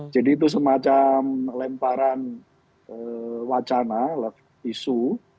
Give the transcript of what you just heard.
jadi itu semacam lemparan wacana isu